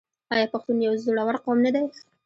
آیا پښتون یو زړور قوم نه دی؟